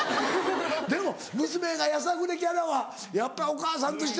でも娘がやさぐれキャラはやっぱお母さんとしては。